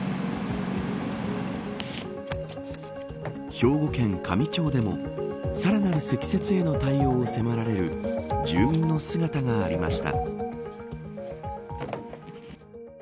兵庫県香美町でもさらなる積雪への対応を迫られる住民の姿がありました。